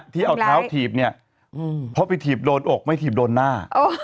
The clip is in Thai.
ที่เอาเท้าถีบเนี่ยเพราะไปถีบโดนอกไม่ถีบโดนหน้า